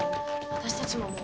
私たちももう。